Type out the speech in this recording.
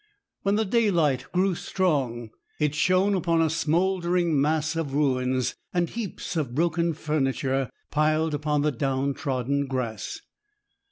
When the daylight grew strong, it shone upon a smouldering mass of ruins, and heaps of broken furniture piled upon the down trodden grass.